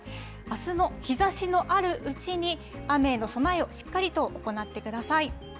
あすの日ざしのあるうちに雨への備えをしっかりと行ってください。